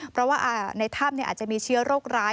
เพราะว่าในถ้ำอาจจะมีเชื้อโรคร้าย